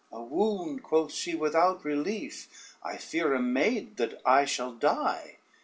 "A wound," quoth she, "without relief, I fear a maid that I shall die."